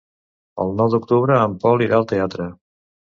El nou d'octubre en Pol irà al teatre.